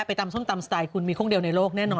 ไปทำส้มตำสไตล์คุณมีคนเดียวในโลกแน่นอน